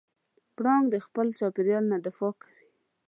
پړانګ د خپل چاپېریال نه دفاع کوي.